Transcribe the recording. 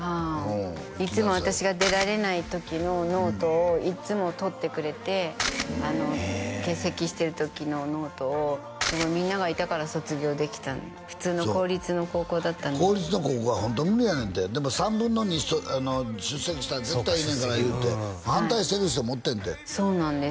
いつも私が出られない時のノートをいつもとってくれて欠席してる時のノートをすごいみんながいたから卒業できた普通の公立の高校だったんで公立の高校はホント無理やねんてでも３分の２出席したら絶対いいねんから言うて反対してる人もおってんてそうなんです